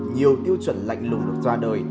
nhiều tiêu chuẩn lạnh lùng được ra đời